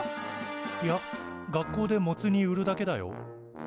いや学校でモツ煮売るだけだよ。